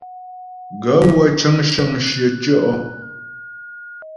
Gaə̂ wə́ cə́ŋ shə́ŋ shyə tyɔ̀.